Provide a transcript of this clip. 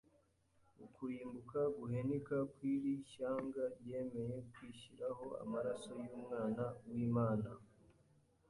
ukurimbuka guhenika kw'iri shyanga ryemeye kwishyiraho amaraso y'Umwana w'Imana.